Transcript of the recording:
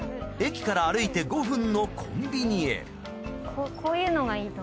駅から歩いて５分のコンビニへ。